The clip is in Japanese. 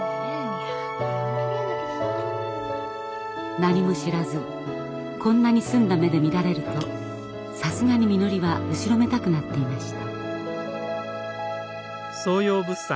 何も知らずこんなに澄んだ目で見られるとさすがにみのりは後ろめたくなっていました。